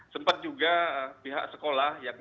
sempat juga pihak sekolah